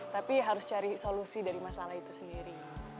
tapi harus cari solusi dari masalah itu sendiri